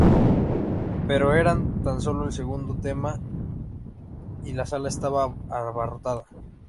Pero era tan sólo el segundo tema y la sala estaba abarrotada.